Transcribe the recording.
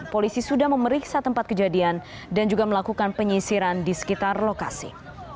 polisi sudah memeriksa tempat kejadian dan juga melakukan penyisiran di sekitar lokasi